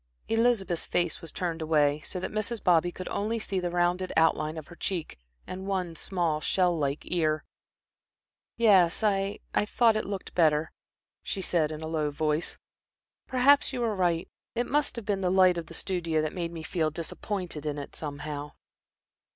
Elizabeth's face was turned away, so that Mrs. Bobby could only see the rounded outline of her cheek and one small, shell like ear. "Yes, I I thought it looked better," she said, in a low voice. "Perhaps you were right. It must have been the the light of the studio that made me feel disappointed in it, somehow."